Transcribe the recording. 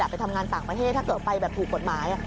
ไปทำงานต่างประเทศถ้าเกิดไปแบบถูกกฎหมาย